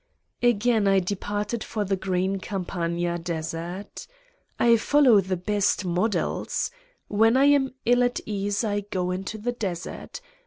Again I departed for the green Campagna desert: I follow the best models : when I am ill at ease I go into the desert.